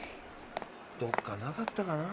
どっかなかったかな？